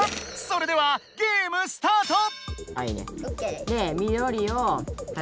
それではゲームスタート！